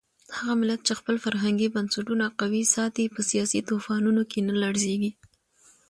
هغه ملت چې خپل فرهنګي بنسټونه قوي ساتي په سیاسي طوفانونو کې نه لړزېږي.